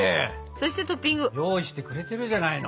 そしてトッピング。用意してくれてるじゃないの。